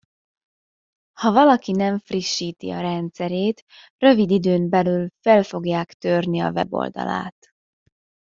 Ha valaki nem frissíti a rendszerét, rövid időn belül fel fogják törni a weboldalát.